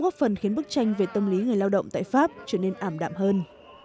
góp phần khiến bức tranh về tâm lý người lao động tại pháp trở nên ảm đạm hơn